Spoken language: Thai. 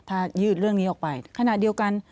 ถ้ายืดเรื่องนี้ออกไปขณะเดียวกัน